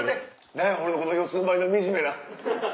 何や俺のこの四つんばいの惨めな。